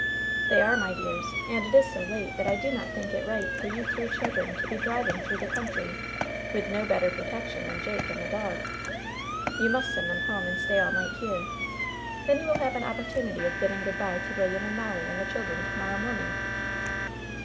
« "They are, my dears ; and it is so late that I do not think it right for you three children to be driving through the country with no better protection than Jake and the dog. You must send them home and stay all night here. Then you will have an opportunity of bid ding good by to William and Molly and the children to morrow morning."